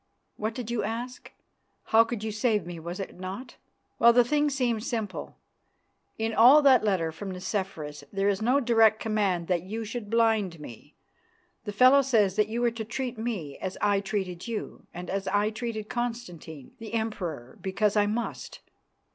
What did you ask? How you could save me, was it not? Well, the thing seems simple. In all that letter from Nicephorus there is no direct command that you should blind me. The fellow says that you are to treat me as I treated you, and as I treated Constantine, the Emperor because I must.